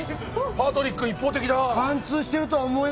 パトリック一方的だな。